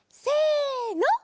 せの。